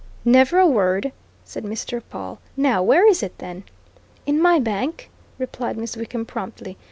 "Never a word!" said Mr. Pawle. "Now where is it, then?" "In my bank," replied Miss Wickham promptly.